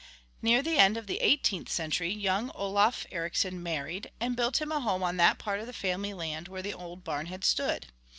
Near the end of the eighteenth century young Olof Ericsson married, and built him a home on that part of the family land where the old barn had stood.